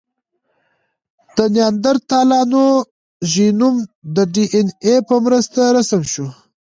د نیاندرتالانو ژینوم د ډياېناې په مرسته رسم شو.